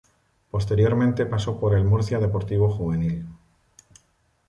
Posteriormente pasó por el Murcia Deportivo juvenil.